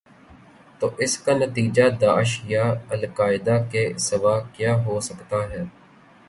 تواس کا نتیجہ داعش یا القاعدہ کے سوا کیا ہو سکتا ہے؟